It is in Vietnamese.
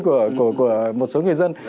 của một số người dân